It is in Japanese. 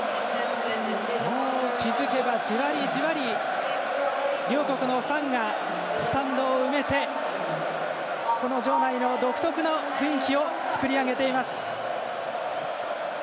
気付けば、じわりじわり両国のファンがスタンドを埋めてこの場内の独特の雰囲気を作り上げています。